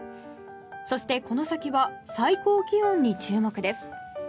そして、この先は最高気温に注目です。